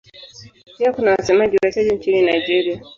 Pia kuna wasemaji wachache nchini Nigeria.